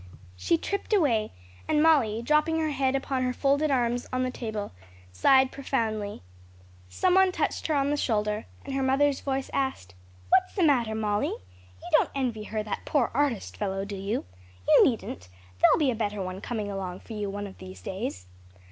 She tripped away, and Molly, dropping her head upon her folded arms on the table, sighed profoundly. Some one touched her on the shoulder, and her mother's voice asked, "What's the matter, Molly? You don't envy her that poor artist fellow, do you? You needn't: there'll be a better one coming along for you one of these days."